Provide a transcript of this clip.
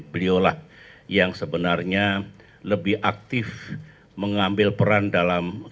beliulah yang sebenarnya lebih aktif mengambil peran dalam kampanye